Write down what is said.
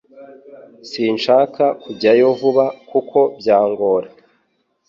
Sinshaka kujyayo vuba kuko byangora .